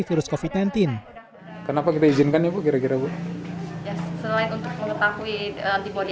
virus covid sembilan belas kenapa kita izinkan ibu kira kira bu ya selain untuk mengetahui antibody